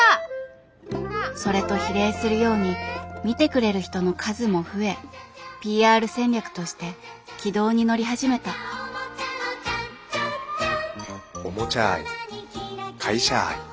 それと比例するように見てくれる人の数も増えＰＲ戦略として軌道に乗り始めたおもちゃ愛会社愛